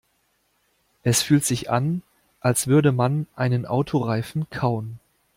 Es fühlt sich an, als würde man einen Autoreifen kauen.